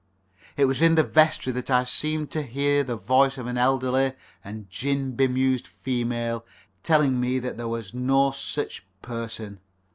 It was in the vestry that I seemed to hear the voice of an elderly and gin bemused female telling me that there was no sich person.